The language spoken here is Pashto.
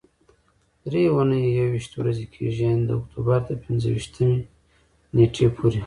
درې اونۍ یويشت ورځې کېږي، یعنې د اکتوبر تر پنځه ویشتمې نېټې پورې.